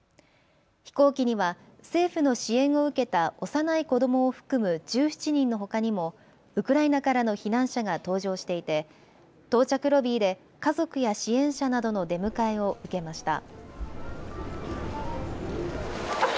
飛行機には、政府の支援を受けた幼い子どもを含む１７人のほかにも、ウクライナからの避難者が搭乗していて、到着ロビーで、家族や支援者などの出迎えを受けました。